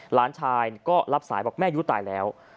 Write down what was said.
หลานชายก็รับสายบอกแม่ยุตายแล้ว